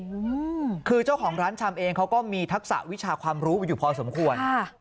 อืมคือเจ้าของร้านชำเองเขาก็มีทักษะวิชาความรู้อยู่พอสมควรค่ะ